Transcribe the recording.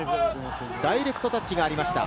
ダイレクトタッチがありました。